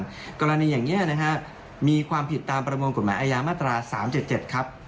ในกรณีอย่างนี้นะครับมีความผิดตามประมวลกฎหมายไอยามตรา๓๗๗ด้วย